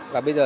và bây giờ